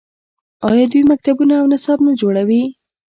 آیا دوی مکتبونه او نصاب نه جوړوي؟